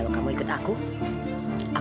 dicara dengan siapa